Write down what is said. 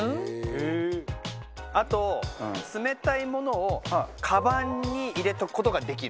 あと冷たいものをカバンに入れておく事ができる。